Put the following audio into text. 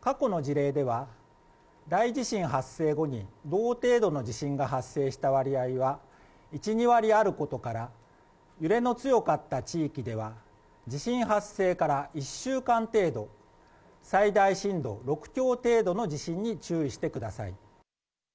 過去の事例では、大地震発生後に、同程度の地震が発生した割合は１、２割あることから、揺れの強かった地域では、地震発生から１週間程度、最大震度６強程度の地震に注意してください。